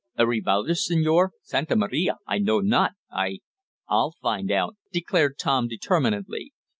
"A revolver, senor? Santa Maria, I know not! I " "I'll find out," declared Tom determinedly.